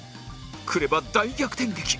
来れば大逆転劇！